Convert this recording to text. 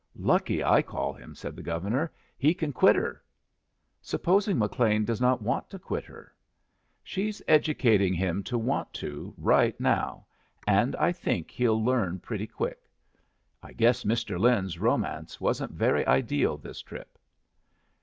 "Lucky, I call him," said the Governor. "He can quit her." "Supposing McLean does not want to quit her?" "She's educating him to want to right now, and I think he'll learn pretty quick. I guess Mr. Lin's romance wasn't very ideal this trip.